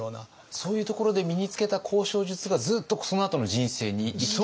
そういうところで身につけた交渉術がずっとそのあとの人生に生きてきた？